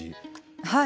はい。